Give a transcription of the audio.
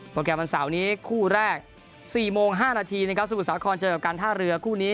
โปรแกรมวันเสาร์นี้คู่แรก๔โมง๕นาทีสมุทรสาวครรภ์เจอกับการท่าเรือกู้นี้